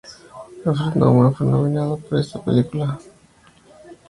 Alfred Newman fue nominado al por esta película.